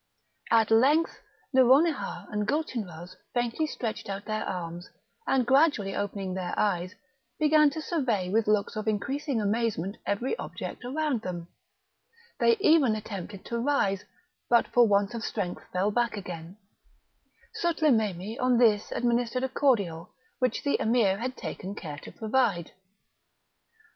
At length Nouronihar and Gulchenrouz faintly stretched out their arms, and gradually opening their eyes, began to survey with looks of increasing amazement every object around them; they even attempted to rise, but for want of strength fell back again; Sutlememe on this administered a cordial, which the Emir had taken care to provide.